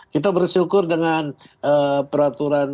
kita bersyukur dengan peraturan ini